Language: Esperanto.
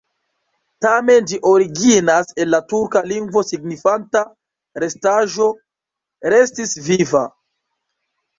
Tamen ĝi originas el la turka lingvo signifanta: restaĵo, restis viva.